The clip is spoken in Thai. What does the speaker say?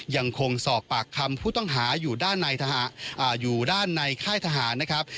ยังคงสอบปากคำผู้ต้องหาอยู่ด้านในค่ายทหารนะครับ